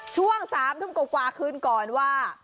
ช่วง๓ทุ่มกว่าคืนก่อนว่า